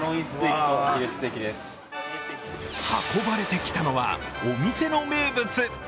運ばれてきたのはお店の名物。